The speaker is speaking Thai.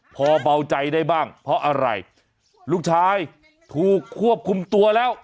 พอเบาใจได้บ้างเพราะอะไรลูกชายถูกควบคุมตัวแล้ว